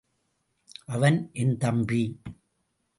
அவன் என் தம்பி.